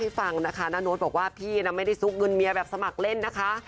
ฟังนะคะนาโน้ตบอกว่าพี่นะไม่ได้ซุกเงินเมียแบบสมัครเล่นนะคะ